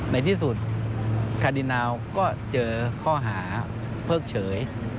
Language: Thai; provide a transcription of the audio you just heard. ในที่สุดคาดินาวก็เจอข้อหาเพิกเฉย